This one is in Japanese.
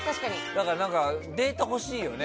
だから、データが欲しいよね。